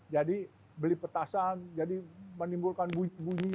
jadi beli petasan jadi menimbulkan bunyi bunyi